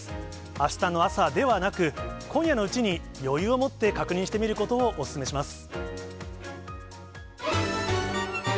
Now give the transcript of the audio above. あしたの朝ではなく、今夜のうちに、余裕を持って確認してみることをお勧めします。